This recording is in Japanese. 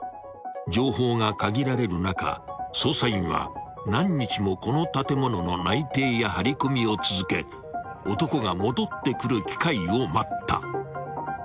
［情報が限られる中捜査員は何日もこの建物の内偵や張り込みを続け男が戻ってくる機会を待った］